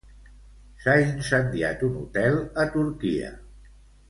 S'ha incendiat un hotel a Turquia